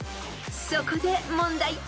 ［そこで問題］